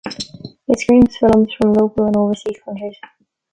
It screens films from local and overseas countries.